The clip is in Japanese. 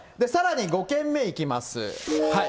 さらに５軒目行きます。